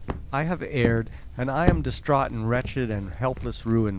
I have erred and am distraught in wretched and helpless ruin.